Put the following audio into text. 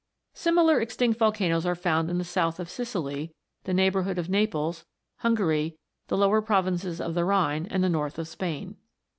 Similar extinct volcanoes are found in the south of Sicily, the neighbourhood of Naples, Hungary, the lower provinces of the Rhine, and the north of Spain.